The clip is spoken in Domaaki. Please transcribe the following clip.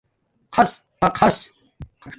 خُݽ تا خُݽ